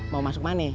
mau masuk mana